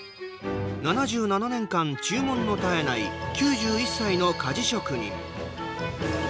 ７７年間、注文の絶えない９１歳の鍛冶職人。